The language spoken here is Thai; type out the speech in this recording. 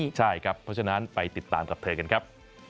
ใช่ครับเพราะฉะนั้นไปติดตามกับเธอกันครับ